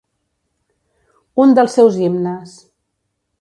Un dels seus himnes.